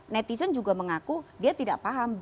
netizen juga mengaku dia tidak paham